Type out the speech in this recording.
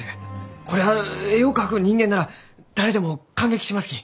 これは絵を描く人間なら誰でも感激しますき！